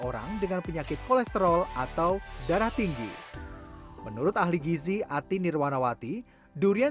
orang dengan penyakit kolesterol atau darah tinggi menurut ahli gizi ati nirwanawati durian